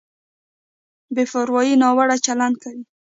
په بې پروایۍ ناوړه چلند کوي.